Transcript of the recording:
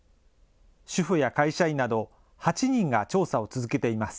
主婦や会社員など、８人が調査を続けています。